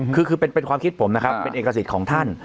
คือเป็นความคิดผมนะครับเป็นเอกสิทธิ์ของท่าน